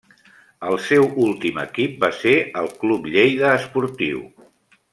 El seu últim equip va ser el Club Lleida Esportiu.